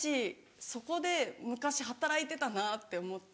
そこで昔働いてたなって思って。